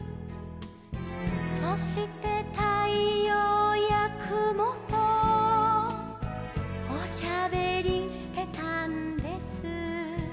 「そしてたいようやくもとおしゃべりしてたんです」